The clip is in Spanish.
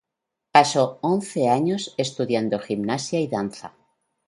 Pasó once años estudiando gimnasia y danza.